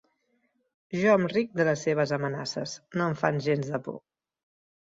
Jo em ric de les seves amenaces: no em fan gens de por.